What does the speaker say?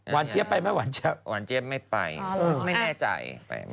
เจี๊ยบไปไม่หวานเจี๊ยหวานเจี๊ยบไม่ไปไม่แน่ใจ